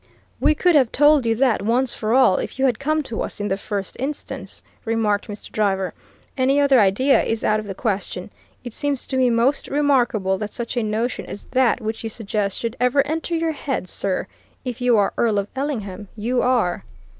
"We could have told you that once for all, if you had come to us in the first instance," remarked Mr. Driver. "Any other idea is out of the question. It seems to me most remarkable that such a notion as that which you suggest should ever enter your head, sir. If you are Earl of Ellingham, you are!"